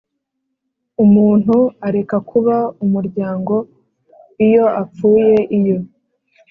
Umuntu areka kuba umuryango iyo apfuye iyo